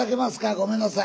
ごめんなさい。